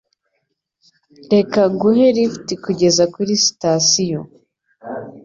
Reka nguhe lift kugeza kuri sitasiyo.